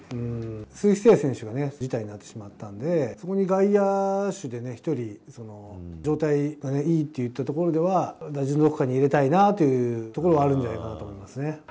鈴木誠也選手が辞退になってしまったんで、そこに外野手で１人、状態がいいっていったところでは、打順のどっかに入れたいなというところはあると思いますね。